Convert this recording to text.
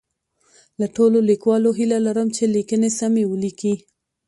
له ټولو لیکوالو هیله لرم چي لیکنې سمی ولیکي